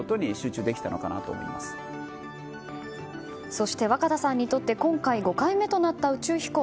そして若田さんにとって今回５回目となった宇宙飛行。